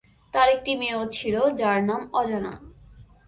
তার একটি মেয়েও ছিল, যার নাম অজানা।